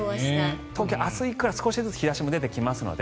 東京、明日以降少しずつ日差しも出てきますので